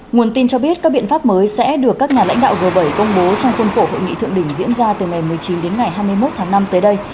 nguồn tin cho biết các biện pháp mới sẽ được các nhà lãnh đạo g bảy công bố trong khuôn khổ hội nghị thượng đỉnh diễn ra từ ngày một mươi chín đến ngày hai mươi một tháng năm tới đây